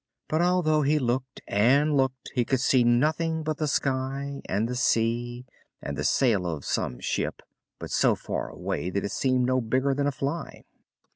But, although he looked and looked, he could see nothing but the sky, and the sea, and the sail of some ship, but so far away that it seemed no bigger than a fly.